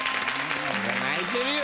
泣いてるよ